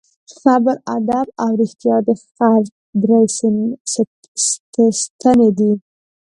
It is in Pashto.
صبر، ادب او رښتیا د خرڅ درې ستنې دي.